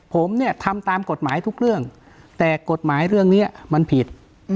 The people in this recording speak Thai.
ผมเนี่ยทำตามกฎหมายทุกเรื่องแต่กฎหมายเรื่องนี้มันผิด